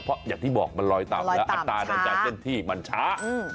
เพราะอย่างที่บอกมันลอยต่ำแล้วอัตราในการเคลื่อนที่มันช้า